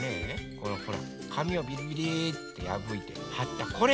このほらかみをびりびりってやぶいてはったこれ。